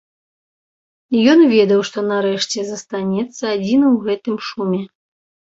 Ён ведаў, што нарэшце застанецца адзін у гэтым шуме.